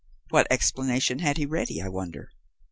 What explanation had he ready, I wonder?